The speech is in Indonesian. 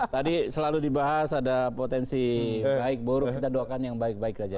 tadi selalu dibahas ada potensi baik buruk kita doakan yang baik baik saja